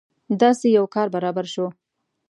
داسې یو کار برابر شو.